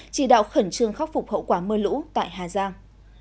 chỉ đạo khẩn trương khắc phục hậu quả mưa lũ tại hà giang